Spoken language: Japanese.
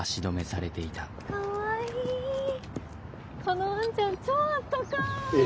このワンちゃん超あったかい。